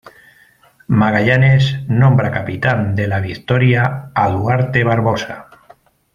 Magallanes nombra capitán de la "Victoria" a Duarte Barbosa.